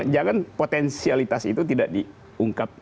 jangan potensialitas itu tidak diungkap